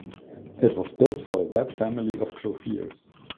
It was built for the Webb family of clothiers.